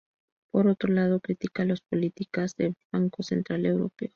Por otro lado critica las políticas del Banco Central Europeo.